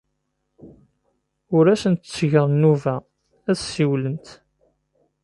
Ur asent-ttgeɣ nnuba ad ssiwlent.